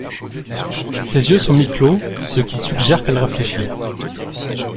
Ses yeux sont mi-clos, ce qui suggère qu'elle réfléchit.